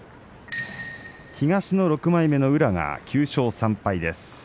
東の６枚目の宇良が９勝３敗です。